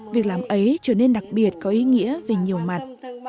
việc làm ấy trở nên đặc biệt có ý nghĩa về nhiều mặt